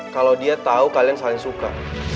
kalau dia tahu kalian saling suka